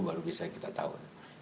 baru bisa kita tahu